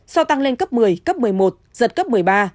sau tăng lên cấp một mươi cấp một mươi một giật cấp một mươi ba